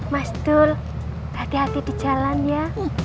mas dul hati hati di jalan ya